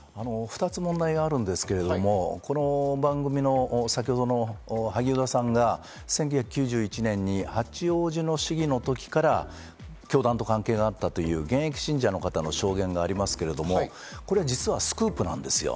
２つ問題があるんですけど、この番組の、先ほどの萩生田さんが１９９１年に八王子の市議の時から教団と関係があったという現役信者の方の証言がありますけれども、これ実はスクープなんですよ。